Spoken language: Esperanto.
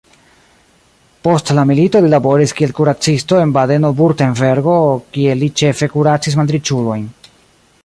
Post la milito li laboris kiel kuracisto en Badeno-Vurtembergo, kie li ĉefe kuracis malriĉulojn.